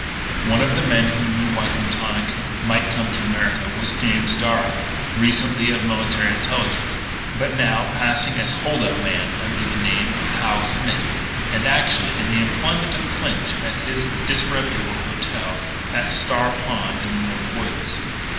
One of the men who knew why Quintana might come to America was James Darragh, recently of the Military Intelligence, but now passing as a hold up man under the name of Hal Smith, and actually in the employment of Clinch at his disreputable "hotel" at Star Pond in the North Woods.